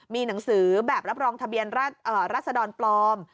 มีหนังสือแบบรับรองทะเบียนราชดรปลอม